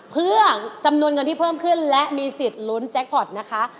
เพื่อจำนวนเงินที่เพิ่มขึ้นและมีสิทธิ์ลุ้นแจ็คพอร์ตนะคะ